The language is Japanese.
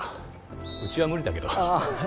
うちは無理だけどあっ